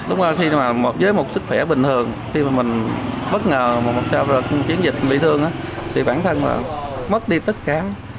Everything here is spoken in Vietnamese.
lúc đó khi mà với một sức khỏe bình thường khi mà mình bất ngờ một chiến dịch bị thương thì bản thân mất đi tất cả